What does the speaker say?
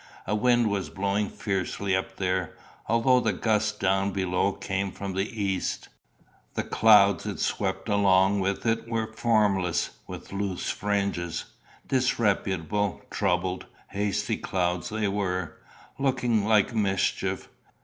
A wind was blowing fiercely up there, although the gusts down below came from the east. The clouds it swept along with it were formless, with loose fringes disreputable, troubled, hasty clouds they were, looking like mischief.